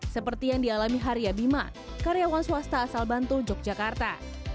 seperti yang dialami haria bima karyawan swasta asal bantul yogyakarta